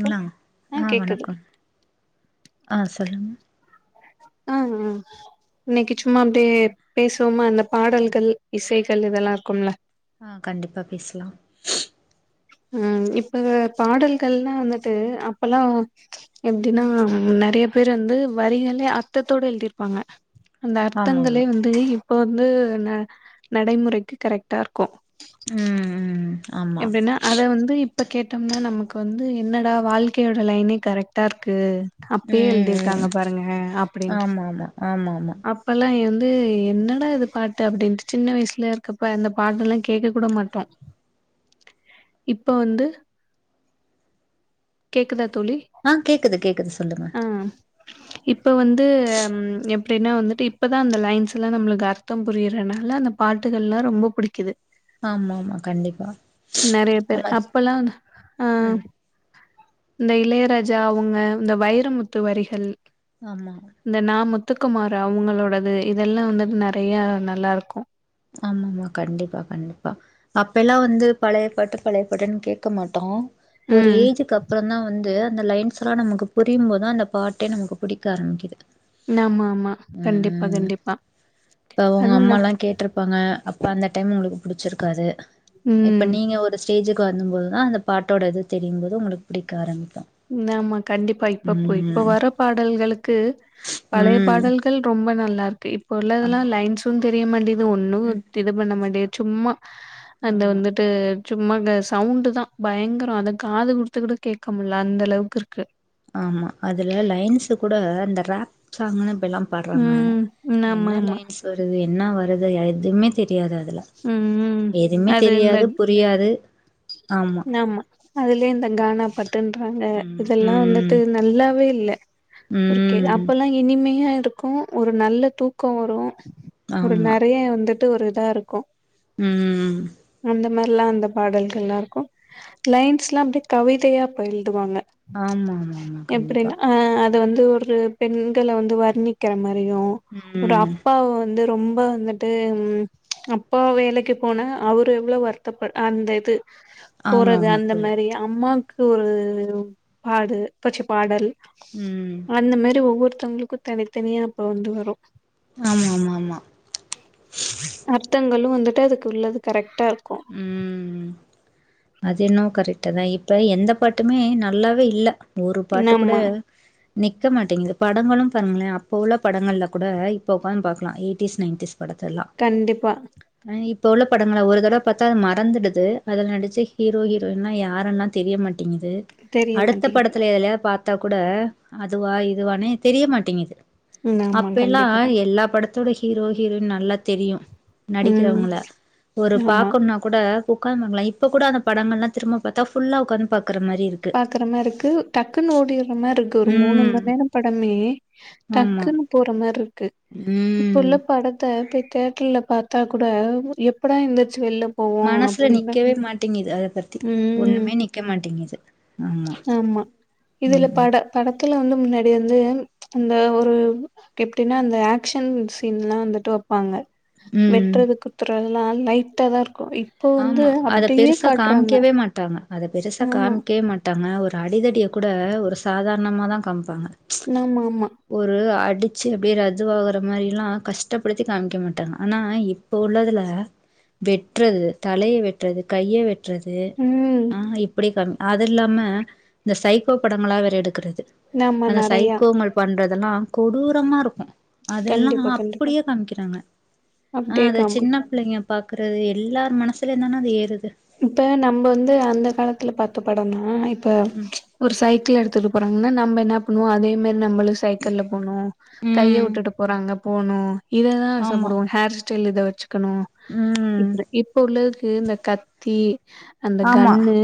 ங்களா ஆ ஆஹ் கேக்குது வணக்கம் ஆஹ் சொல்லுங்க ஆஹ் ஆஹ் இன்னைக்கு சும்மா அப்டியே பேசுவோமா அந்த பாடல்கள் இசை கள் இதெல்லா இருக்கும்ல ஆஹ் கண்டிப்பா பேசலாம் ம் இப்ப பாடல்கள்லா வந்துட்டு அப்பல்லா எப்டின்னா நெறைய பேர் வந்து வரிகளே அர்த்தத்தோட எழுதிருப்பாங்க அந்த ஆமா ஆமா அர்த்தங்களே வந்து இப்ப வந்து ந நடைமுறைக்கு கரெக்ட்டா இருக்கு ம் ம் ஆமா எப்டின்னா அத வந்து இப் இப்போ கேட்டோம்னா நமக்கு வந்து என்னடா வாழ்க்கையோட லைனே கரெக்ட்டா இருக்கு அப்பே ம் ம் எழுதிருக்காங்க பாருங்க அப்டின்ட்டு ஆமா ஆமா ஆமா ஆமா அப்பெல்லா எந் ந்து என்னடா இது பாட்டு அப்டின்ட்டு சின்ன வயசுல இருக்கப்ப அந்த பாட்டு எல்லா கேக்க கூட மாட்டோ இப்ப வந்து கேக்குதாத் ஆஹ் கேக்குது கேக்குது சொல்லுங்க இப்போ வந்து எப்டின்னா வந்துட்டு இப்போதா அந்த லைன்ஸ்லாம் நம்மளுக்கு அர்த்தம் புரியிறனால அந்த பா பாட்டுகள்லா ரொம்ப பிடிக்குது ஆமா ஆமா கண்டிப்பா நெறைய பேர் ஆமா அப்பெலா ஆஹ் ம் இந்த இளையராஜா அவுங்க இந்த வைரமுத்து வரிகள் ஆமா இந்த நாமுத் த்துக்குமார் அவங்களோடது இதெல்லா வந்துட் நெறைய நல்லா இருக்கு ஆமா ஆமா கண்டிப்பா கண்டிப்பா அப்ப எல்லா வந்து பழைய பாட்டு பழைய பாட்டுன்னு கேக்க மாட்டோ ஒரு ம் ஏஜிக்கு அப்றோ தா வந்து அந்த லைன்ஸ்லா நமக்கு புரியும் போதுத அந்த பாட்டே நமக்கு பிடிக்க ஆரம்பிக்குது நா மா மா கண்டிப்பா ம் ம் கண்டிப்பா இப்ப உங்க அதுவுன அம்மாலா கேட்ருப்பாங்க அப்ப அந்த டைம் உங்களுக்கு பிடிச்சிருக்காது ம் இப்ப நீங்க ஒரு ஸ்டேஜுக்கு வரும்போதுதா அந்த பாட்டோட இது தெரியு போது உங்ளுக்கு புடிக்க ஆரம்பிக்கு ம் ஆமா கண்டிப்பா இப்ப போ இப்ப ம் வர பாடல்களுக்கு பழைய ம் பாடல்கள் ரொம்ப நல்லா ருக்கு இப்ப உள்ளதெல்லா ஆமா லைன்ஸ்சு தெரிய மாட்டேது ஒன்னு இது பண்ண மாட்டேது சும்மா அது ஆமா வந்துட்டு சும்மா இந்த சவுண்டு் தா பயங்கரோ அத காது குடுத்துக் கூட கேக்க அந்த அளவுக்கு இருக்கு ஆமா அதுல லைன்ஸ் கூட அந்த ரப் சாங்ன்னு இப்ப எல்லா படுறாங்க ம் ம், ஆமா என்ன ஆமா லைன்ஸ் வருது என்ன வருது எதுவுமே தெரி ரியாதுல ம் ம் எதுவுமே அது இந்த தெரியாது புரியாது ஆமா அதுலே இந்த கானா பட்டுன்றாங்க ம் இதெல்லாம் ம் வந்துட்டு நல்லாவே இல்ல ஒரு கே ம் அப்பெல்லா இனிமையா இருக்கு ஒரு நல்ல தூக்கோ வரு ஒரு நெறைய வந்துட்டு ஒரு இதா இருக்கு ம்ம் ந்தமாரிலா அந்த பாடல்கள்லா இருக்கு லைன்ஸ்ல்லா அப்டியே கவிதையா பய எழுதுவாங்க ஆமாமாமா கண்டிப்பா எப்டின்னா அ அது வந்து ஒரு பெண்களை வந்து வர்ணிக்கிற மாரியு ஒரு ம் அப்பாவ வந்து ரொம்ப வந்துட்டு அப்பா வேலைக்கு போனா அவரு எவ்ளோ வருத்தப் அந்த இது ஆமா போறது ஆமா அந்த புரி மாரி அம்மாக்கு ஒரு பாடு பச்ச பாடல் ம் அந்த மாரி ஒவ்வொருத்தவங்களுக்கு தனித்தனியா அப்ப வந்து வரு ஆமா ஆமா ஆமா லு வந்துட்டு அதுக்கு உள்ளது கரெக்டா இருக்கு ம் அது என்னவோ கரெக்டுதா இப்ப எந்த பாட்டுமே நல்லாவே இல்ல ஒரு பாட்டு கூட ஆமா நிக்க மாட்டேங்குது படங்களு பாருங்களே அப்போ உள்ள படங்கல்ல கூட இப்போ உக்காந்து பாக்கலா எயிட்டிஸ் நைன்ட்டீஸ் படத்தல்லா கண்டிப்பா இப்ப உள்ள படங்கள ஒரு தடவ பாத்தா மறந்துடுது அதுல நடிச்ச ஹீரோ ஹீரோயின்னா யாருன்லா தெரியமாட்டேங்குது தெரிய அடுத்த மாட்டேங்குது படத்துல எதுலயா பா த்தாகூட அதுவா இதுவானே தெரிய மாட்டிங்குது ம் ஆமா அப்பல்லா கண்டிப்பா எல்லா பட தோட ஹீரோ ஹீரோயின் நல்லா தெரியு ம் நடிக்கிறவங்கள ஒரு ஆமா பாக்கும்னா கூட உக்காந்துக்கலா இப்ப கூட அந்த படங்கள்லா திரும்ப பாத்தா ஃபுல்லா உக்காந்து ப பாக்குற மாரி இருக்கு டக்குன்னு ஓடிற மாரி இருக்கு ஒரு மூணு ம் மண்நேர படமே டக்கு ஆமா துன்னு போற மாரி இருக்கு இப்ப ம் உள்ள படத்த தேட்டர்ல பாத்தா கூட எப்படா இந்த மனசுல நிக்கவே மாட்டிங்குது அதப் பத்தி ம் ஒண்ணுமே நிக்க மாட்டிங்குது ஆமா இதுல பட படத்துல வந்து முன்னாடி வந்து அந்த ஒரு எப்டின்னா அந்த ஆக்ஷன் சீன்லா வந்துட்டு வெப்பாங்க ம் வெட்டுறது குத்துறதுல்லா லைட்டாதா இரு ஆமா அத பெருசா காமிக்கவே மாட்டாங்க அதை பெருசா ஆமா காமிக்கவே மாட்டாங்க ஒரு ஒரு அடிதடிய கூட ஒரு சாதாரணமா தா காம்ப்பாங்க ஆமா ஆமா அடிச்சு அப்டியே ரதுவாகற மாரில்லா கஷ்டப்படுத்தி காமிக்க மாட்டாங்க ஆனா இப்ப உள்ளதுல வெட்றது தலைய வெட்றது கைய வெட்றது ம் ஆ இப்டி கம் அது இல்லாம இந்த சைக்கோ படங்களா வேற எடுக்கிறது ஆமா அந்த நெறையா சைக்கோங்கள் பண்றது அதெல்லா கொடூரமா இருக்கு அதெல்லா கண்டிப்பா கண்டிப்பா அப்படியே காமிக்கிறாங்க ஆ அப்டியே அத காம சின்ன பிள்ளைங்க பாக்கறது எல்லார் மனசுல இருந்தானே அது ஏறுது இப்ப நம்ம வந்து அந்த காலத்துல பாத்த படம்னா இப்ப ஒரு சைக்கிள் எடுத்து போறாங்கன்னா நம்ம என்ன பண்ணுவோ அதே மாரி நம்மளு சைக்கிள்ல போனு கைய ம் விட்டுட்டு போறாங்க போணு இததா ஆமா ஆசப்படுவோ ஹேர் ஸ்டைல் இத வச்சுக்கணு ம் இப்டி இப்ப உள்ளது இந்த கத்தி அந்த ஆமா கன்னு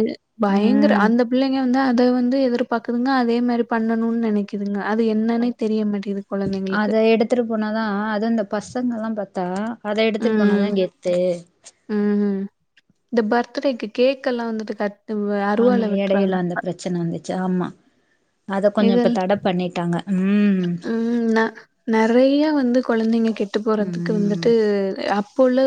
பயங்கர ம் அந்த பிள்ளைங்க வந்து அத வந்து எதிர்பாக்குதுங்க அதே மாரி பண்ணணுனு நெனைக்குதுங்க அது என்னன்னே தெரிய மாட்டேது கொழந்தைங்களுக்கு அத எடுத்துட்டு போனாதா அது இந்த பசங்கல்லாம் பாத்தா அத எடுத்துட்டு போனாதா ம் கெத்து ம் இந்த பர்த்டேக்கு கேக் எல்லா வந்துட்டு கட் ஆமா அறுவாள்ள வெட்றாங்க எடையில அந்த இப்ப பிரச்சன வந்துச்சு ஆமா அத கொஞ்சோ இப்ப தட பண்ணிட்டாங்க ம் ம் ந நறைய வந்து குழந்தைங்க கெட்டு போறதுக்கு ம் வந்துட்டு அப்போ உள்ள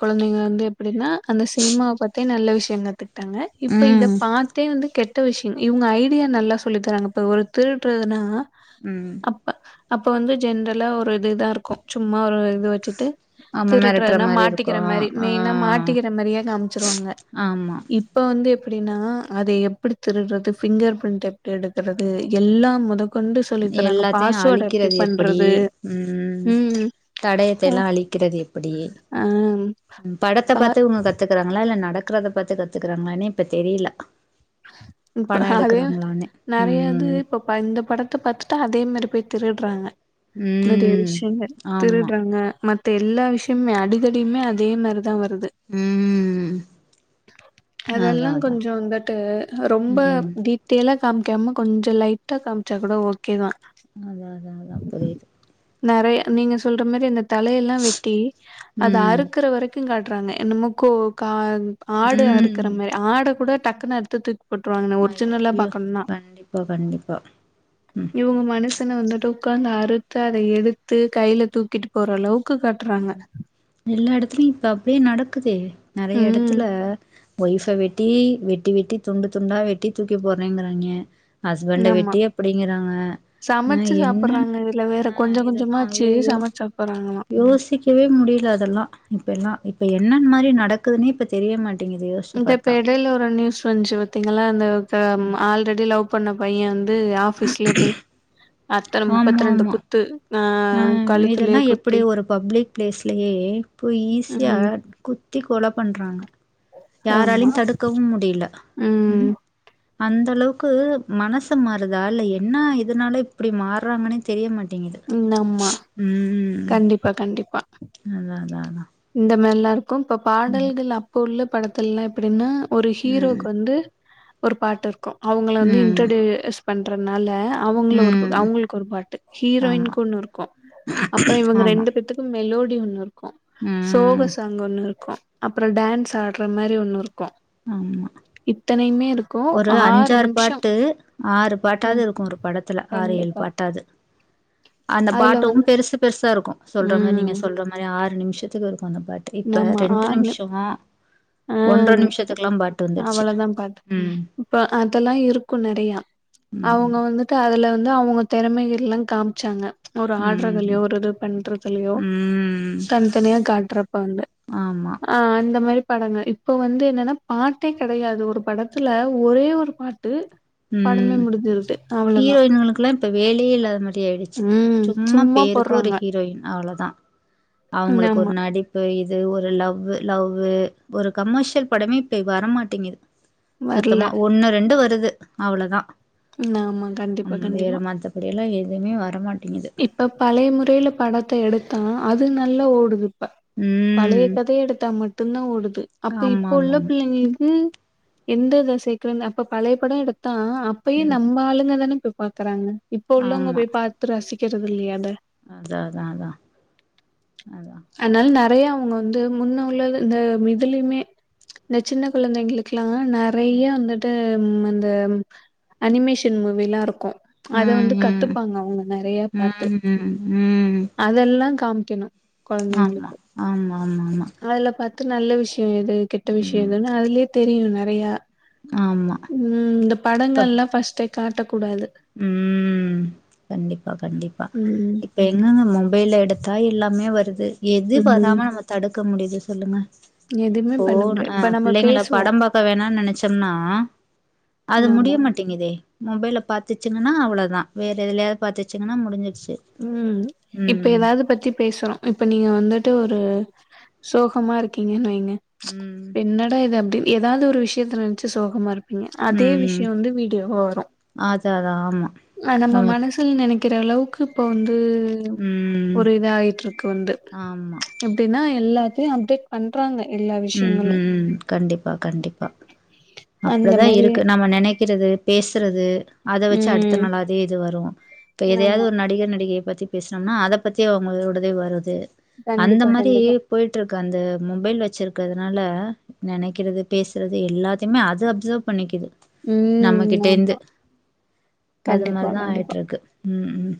குழந்தைங்க வந்து எப்படின்னா அந்த சினிமாவ பாத்தே நல்ல விஷய கத்துக்கிட்டாங்க இப்ப இத ம் பாத்தே வந்து கெ ட்ட விஷயம் இவுங்க ஐடியா நல்லா சொல்லி தராங்க இப்போ ஒரு திருடுறதுனா ம் அப்போ வந்து ஜென்ரலா ஒரு இதுதா இருக்கு சும்மா ஒரு இது வச்சுட்டு ஆமா மெரட்டுற திருட்றதுன்னா மாரி மாட்டிக்கிற இருக்கும் மாரி ஆ மெயினா மாட்டிக்கிற மாரியா காமிச்சிருவாங்க ஆமா இப்ப வந்து எப்படின்னா அதை எப்படி திருடுறது ஃபிங்கர் பிரிண்ட் எப்டி எடுக்கிறது எல்லாம் மொதக்கொண்டு சொல்லித் தறாங்க எல்லாத்தையும் பாஸ்வேர்ட் எப்டி அழிக்கிறது பண்றது ம் தடயத்தை அ எல்லா அழிக்கிறது எப்படி ஆ படத்த பா பாத்து இவுங்க கத்துக்கறாங்களா இல்ல நட குறத பாத்து கத்துக்குறாங்களானே இப்ப தெரில இப்ப அதே நெறைய இது ம் இப்ப இந்த படத்த பாத் த அதே மாரி போய் திருட்றாங்க நெறைய ம் விஷயங்கள் ஆமா திருட்றாங்க மத் த எல்லா விஷ்யமே அடிதடியுமே அதே மாரிதா வர் ருது ம் அதெல்லா அதா அதா கொஞ்சோ‌ வந்துட்டு ரொம்ப ம் டீட்டெயிலா காமிக்காம கொஞ்சோ லைட்டா காம்ச்சா கூட ஓகே தா அதா அதா அதா புரியுது நெறைய நீங்க சொல்ற மாரி இந்தந் தலையெல்லா வெட்டி அத ம் அறுக்குற வெரைக்கு காட்றாங்க என்னமோ கோ கா ஆடு அறுக்கற ம் மாரி ஆட கூட டக்குன்னு அறுத்து தூக் போட்றுவாங்க நா ஒரிஜினல்லா ஐயயோ பாக்கணுன்னா கண்டிப்பா கண்டிப்பா ம் இவுங்க மன சன வந்துட்டு உக்காந்து அறுத்து அத எடுத்து கையில தூக்கிட்டு போற அளவுக் ம் எல்லா எடத்துலயு இப்ப அப்டியே நடக்குதே நெறைய ம் எடத்துல ஒய்ஃப வெட்டி டி வெட்டி வெட்டி துண்டு துண்டா வெட்டி தூக்கி போற்றேங்கிறாய்ங்க ஹஸ்பண்ட ஆமா வெட்டியே அப்டிங்கிறாங்க அ சமைச்சு என்னன் சாப்பிடுறாங்க இதுல வேற அ கொஞ்ச இதெல்லா கொஞ்சமாச்சு ஐயயோ சமைச்சு சாப்பிடுறாங்களா யோஸ்ச் சிந்திக்கவே முடில அதெல்லா இப்ப எல்லா இப்ப என்னன் மாரி நடக்குதுன்னே இப்ப தெரிய மாட் மாட்டேங்கு இந்த இப்ப எடையில ஒரு நியூஸ் வந்ச்சி பாத்தீங்களா அந்த ஆல்ரெடி லவ் பண்ண பையன் து ஆஃபிஸ்ல போய் அத்தன முப்பத்ரெண்டு குத்து அ இதெல்லா எப்டி ஒரு பப்ளிக் பிளேஸ்லயே போய் ஈஸியா ம் குத்திக் கொல பண்றாங்க ஆமா யாராலயும் தடுக்கவும் முடில ம் அந்த அளவுக் கு மனசு மாறுதா இல்ல என்ன இதனால இப்டி மாற்றாங்கன்னே தெரிய மாட்டேங்குத் ம் ஆமா கண்டிப்பா கண்டிப்பா அதா அதா அதா கோம் இப்ப பாடல்கள் அப்போ உள்ள படத்துலல்லா எப்டின்னா ஒரு ஹீரோக்கு ம். வந்து ஒரு பாட்டு இருக்கு அவுங்கள வந்து ம். இன்ட்ரடியூஸ் பண்றனால அவுங்கள ஒரு ம். அவுங்களுக்கு ஒரு பாட்டு ஆமா. ஹீரோயின்கு ஒன்னுருக்கோ அப்புறோ இவங்க ஆமா. ரெண்டு பேத்துக்கு மெலோடி ஒன்னுருக்கோ‌சோக ம். சாங் ஒன்னுருக்கோ அப்புற டான்ஸ் ஆடுற மாரி ஒன்னுருக் கு ஆமா. இத்தனையுமேருக் ஒரு அஞ்சாறு பாட்டு ஆறு ம் பாட்டாவ்து இருக்கு ஒரு படத்துல ஆறு ஏல் கண்டிப்பா பாட்டாவ்து அந்த அதுல பாட்டும் வந்து பெருசு பெருசாருக்கு சொல்ற மாரி ம் நீங்க சொல்ற மாரி ஆறு நிமிஷத்துக்கு இருக் கு அந்த பாட்டு இப்ப நம்ம ரெண்டு ஆறு நி நிம்ஷோ ஆ ஒன்ற நிம்ஷத்துக்குல்லா பாட்டு வந்துட்ச்சி அவ்வளதா பாட்டு இப்ப அதெல்லா இருக்கும் நெறையா ம் அவுங்க வந்துட்டு அதுல வந் த அவுங்க தெறமைகள்ளா காம்ச்சாங்க ஒரு ம் ஆட்றதுலயோ ஒரு இது பண்றதுலயோ ம் தன்த்தனியா காட்றப் பண்ல ஆமா ஆன் இந்த மாரி படங்க இப்ப வந்து என்னன்னா பாட்டே கெடையாது ஒரு படத்துல ஒரே ஒரு பாட் டு ம் ஹீரோயின்களுக்கெல்லா இப்ப வேலையே இல்லாத மாரி ஆயிடுச்சி ம் சும்மா பேருக் கு ஒரு போடுறாங்க. ஹீரோயின் அவ்ளதா அவுங்களுக்கு ஒரு ஆமா நடிப்பு இத் து ஒரு லவ்வு லவ்வு ஒரு கமர்ஷியல் படமே இப்ப வரமாட்டேங்குது வரல. சுத்தமா ஒண்ணு ரெண்டு வருது அவ்ளதா ஆமா கண்டிப்பா ம் வேற கண்டிப்பா. மத்தபடி எல்லா எதுமே வரமாட் இப்ப பலைய முறையில படத்த எடுத்தா அது நல்லா ஓடுது ம் பலைய ம் கதைய எடுத்தா மட்டுந்தா ஓடுது அப்ப ஆமா இப்ப ஆமா உள்ள ஆமா பிள்ளைங்களுக்கு எந்த இத சேர்க்குரன் அப்ப பலைய பட எடுத்தா அப்பயு ம் நம்ப ஆளுங்கதான ய் பாக்கறாங்க இப்ப உள்ளவங்க ஆமா போய் பாத்து ரசிக்கிறது இல்லியா அத அதா அதா அதா அதா இதயே அவுங்க வந்து முன்ன உள்ளது இந்த இதுலிமே இந்த சின்ன கொழந்தைங்களுக்கு லங்க நெறைய வந்துட்டு அந்த அனிமேஷன் மூவிலா இருக்கு அத ம் வந்து ம் கத்துப்பாங்க அவங்க நெறைய ம் ம் இதலா காமிக்கணு ஆமா கொழந்தைங்களுக்கு ஆமா ஆமா ஆமா அதுல பாத் து நல்ல விஷயோ எது கெட்ட விஷயோ எதுன்னு அதுலயே தெரியு நெறையா ஆமா ம் இந்த இப்ப படங்கள்ல்லா ஃபஸ்ட்டே காட்ட கூடாது ம் கண்டிப்பா கண்டிப்பா இப்ப என்னங்க மொபைல்ல எடுத்தா எல்லாமே வருது எது ம் வராம நம்ம தடுக்க முடியுது சொல்லுங்க எதுமே பண்ண ஃபோன் முடியாது அ இப்ப நம்ம பிள்ளைங்கள பேசுவோ படம் பாக்க வேணான் நெனச் சம்னா அது முடிய ஆமா மாட்டங்குதே மொபைல்ல பாத்துச்சிங்கன்னா அவ்வளதா வேற எதுலயாவது பாத்துச்சுங்கன்னா முடிஞ்சிருச்சு ம் இப்ப ம் எதாவது பத்தி பேசறோ இப்ப நீங்க வந்து ட்டு ஒரு சோகமா இருக்கிங்கன்னு வைங்க ம் என்னடா இது அப்டின் எதாவது ஒரு விஷயத்த நெனச்சு சோகமா இருப்பிங்க அதே ம் விஷய வந்து வீடியோவா வரு அதா அதா ஆமா அது நம்ம மனசுல நெனைக்கிற அளவுக்கு இப்ப வந்து ம் ஒரு இதாயிட்டுருக்கு வந்து ஆமா எப்டின்னா எல்லாத்தையு அப்டேட் பண்றாங்க எல்லா ம், விஷயங்களும் ம் கண்டிப்பா கண்டிப்பா அந்த அப்டிதா மாரி இருக்கு நாம நெனைக் க்கிறது பேசுறது அத வச்சு அடுத்த ம் நாளாவே இது வரு இப்ப எதையாவது ஆமா ஒரு நடிகர் நடிகையை பத் தி பேசுனோம்னா அத பத்தி அவுங்களோடதே வருது அந்த கண்டிப்பா மாரி கண்டிப்பா போயிட்டு இருக்கு அந்த மொபைல் வச்சிருக் கிறதுனால நனைக்கிறது பேசுறது எல்லாத்தையுமே அது அப்சர்வ் பண்ணிக்குது ம் நம்மகிட்டே இருந்து ஆமா அது கண்டிப்பா மாரிதா ஆயிட்டு கண்டிப்பா இருக்கு, ம், ம்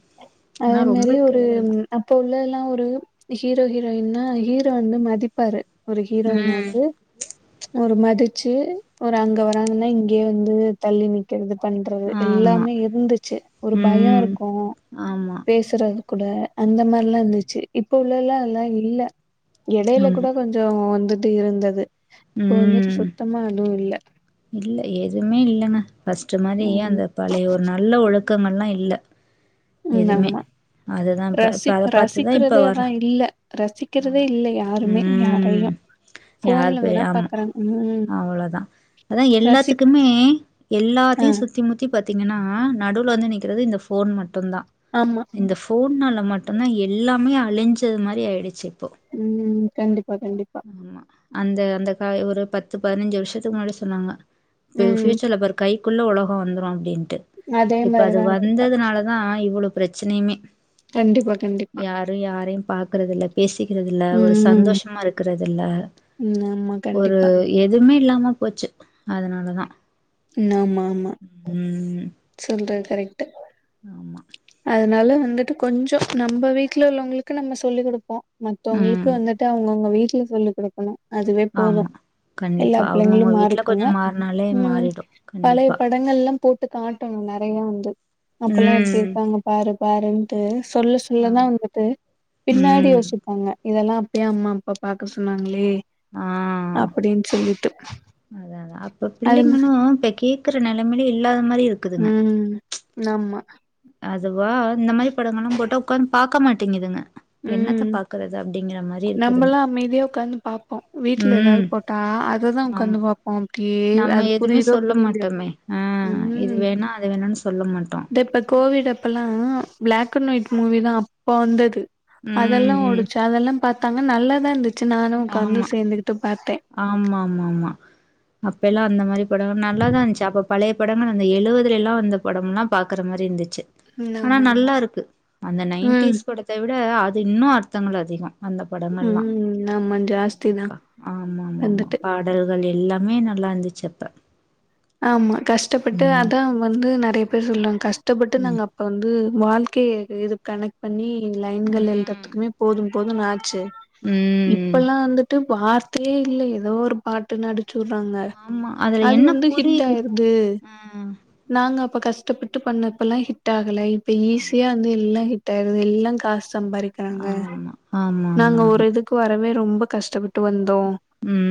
ஆனா அதே ரொம்ப மேரி ஒரு கெடுதல் தான் அப்ப உள்ளதுலா ஒரு ஹீரோ ஹீரோயின்னா ஹீரோ வந்து மதிப்பாரு, ஒரு ஹீரோயின ம் வந்து ஒரு மதி ச்சு ஒரு அங்க வராங்கன்னா இங்கயே வந்து தள்ளி நிக்கிறது பண்றது ஆமா எல்லாமே இருந்துச்சு ஒரு பயோ ம் இருக்கு ஆமா பேசுறது கூட அந்த மாரிலா இருந்துச்சி இப்ப உள்ளதுலலா அதல்லா இல்ல எடையில ஆமா கூட கொஞ்சோ வந்துட்டு இருந்தது இப்போ வந்துட்டு ம் சுத்தமா அதுவு இல்ல இல்ல எதுவுமே இல்லங்க, ஃபஸ்டு மாரி ம் அந்த பழைய ஒரு நல்ல ஒழுக்கங்கள்லா இல்ல ம், எதுமே. ஆமா அதுதான் இப்ப இப்ப ரசி அத பாத்து தான் இப்ப ரசிக்கிறதே வர அதா இல்ல ரசிக்கிறதே இல்ல யாருமே யாரையு யாரு ஃபோன்ல போய் வேணா ஆமா, பாக்குறாங்க ம் அவ்வளதா அதா ரசி எல்லாத்துக்குமே ஆ எல்லாத்தையு சுத்தி முத்தி பாத்தீங்கனா நடுவுல வந்து நிக்கிறது இந்த ஃபோன் மட் டுந்தா ஆமா இந்த ஃபோன்னால மட்டும்தா எல்லாமே அழிஞ்சது மாரியாயிடுச் ம் கண்டிப் ஆமா, அந்த அந்த கா ஒரு பத்து பதினஞ்சு வருஷத்துக்கு முன்னாடி சொன்னாங்க ம் ஃபியூச்சர்ல பாரு கைக்குள்ள உலக வந்துரு அப்டின் ட்டு அதே இப்ப அது மாரிதா இருக்கு இப்ப வந்ததுனாலதா இவ்வள பிரச்சனையுமே கண்டிப்பா கண்டிப்பா யாரு யாரையு பாக்குறதில்ல பேசிக்கிறதில்ல ஒரு ம் சந்தோஷமா இருக்கறதில்ல ம் ஆமா ஒரு கண்டிப்பா எதுமே இல்லாம போச்சு அதனாலதா ஆமா ஆமா ம் சொல்றது கரெக்ட்டு ஆமா அதனால வந்துட்டு கொஞ்சோ நம்ம வீட்ல உள்ளவங்களுக்கு நம்ம சொல்லி குடுப்போ மத்தவங்களுக்கு ம் வந்துட்டு அவங்கவுங்க வீட்ல சொல்லி குடுக்கணு அதுவே போது ஆமா எல்லா கண்டிப்பா பிள்ளைங்களு அவங்கவுங்க வீட்ல மாறிக்குங்க கொஞ்சோ மாறுனாலே ம் மாறிடு பழைய கண்டிப்பா படங்கல்லா போட்டு காட்டணுங்க நெறைய வந்து அப்பலா எப்டி ம் இருக்காங்க பாரு பாருன்ட்டு சொல்ல சொல்லதா ஆமா வந்துட்டு பின்னாடி ம் யோசிப்பாங்க இதெல்லா அப்பியே அம்மா அப்பா பாக்க சொன்னாங்களே அப்டின் சொல்லிட்டு தாதா அப்ப அது பிள்ளைங்கனு இப்ப கேக்கற நெலமையிலு இல்லாத மாரியிருக் உம் நம்மா அதுவா இந்த மாரி படங்கனாம் போட்டா உக்காந் பாக்க மாட்டேங்குதுங்க என்னத்த உம் பாக்குறது அப்டிங்கிற மாரி இருக்குதுங்க நம்பல்லா அமைதியா உக்காந்து பாப்போ வீட்ல எதாது ம் போட்டா அ அததா ஆமா உக்காந்து பாப்போம் ட்டேவ் நம்ம அது எதுமே புரிதோ சொல்ல புரிலியோ மாட்டோமே ஆ இது உம் வேணா அது வேணான்னு சொல்ல மாட்டோ தெப்பக்கு கோவிடப்பலா பிளாக் அண்ட் ஒயிட் மூவிதா அப்ப வந்தது அதெல்லா ம் ம் ஓடுச்சு அதெல்லாம் பாத்தாங்க நல்லாதாந்துச் ஆமா ஆமா மா மா அப்பிலா அந்த மாரி படங்கள் நல்லாதாஞ்ச்சு அப்ப பழைய படங்கள் அந்த எழுவதலெல்லா வந்த படம்லா பாக்கற மாரி இந்துச்சு ம் ஆனா ஆமா ஆமா நல்லாருக்கு அந்த ம் நைன்டீஸ் படத்த விட அது இன்னு அர்த்தங்கள் அதிக அந்த படங்கள்லா ம் ஆமா ஜாஸ்தி தா ஆமா ஆமா மா வந்துட்டு பாடல் அதல் எல்லாமே நல்லாந்துச்சு அப்ப ஆமா கஷ்டப்பட்டு ம். அதா வந்து நெறைய பேர் சொல்றாங்க கஷ்டப்பட்டு ம். நாங்க அப்ப வந்து வாழ்க்கைய இது இது கனெக்ட் பண்ணி லைன்கள் ம். எழுதறத்துக்குமே போதும் போதுனு ஆச்சு ம். இப்பல்லா வந்துட்டு வார்த்தையே இல்ல எதோ ஒரு பாட்டு நடி ச்சுர்றாங்க ஆமா. அதுல அது என்ன வந்து புரியுது? ஹிட்டாயிருது ஆ. நாங்கப் இப்ப கஷ்டப்பட்டு பண்ணப்பல்லா ஹிட்டாகல இப்ப ஆமா. ஈஸியாயிந்து எல்லா ஹிட்டாயிருது எல்லாங் காஸ் சம்பாரிக்கிறாங்க ஆமா. நாங்க ஒரு ஆமாமாமா. இதுக்கு வரவே ரொம்ப கஷ்டபட்டு வந்தோ ம்.